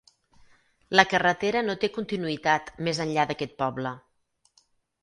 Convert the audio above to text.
La carretera no té continuïtat més enllà d'aquest poble.